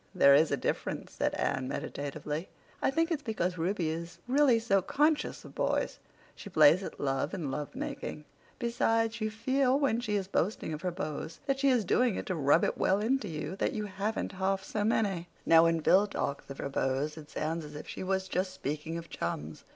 "There is a difference," said Anne meditatively. "I think it's because Ruby is really so conscious of boys. She plays at love and love making. Besides, you feel, when she is boasting of her beaux that she is doing it to rub it well into you that you haven't half so many. Now, when Phil talks of her beaux it sounds as if she was just speaking of chums.